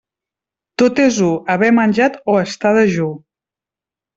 Tot és u, haver menjat o estar dejú.